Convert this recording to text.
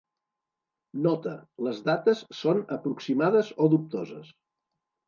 "Nota: les dates són aproximades o dubtoses"